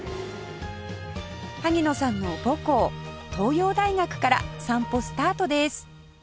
萩野さんの母校東洋大学から散歩スタートです